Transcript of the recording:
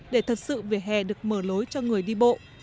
để thật sự vỉa hè được mở lối cho người đi bộ